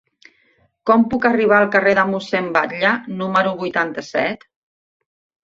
Com puc arribar al carrer de Mossèn Batlle número vuitanta-set?